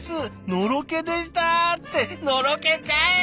のろけでした」ってのろけかい！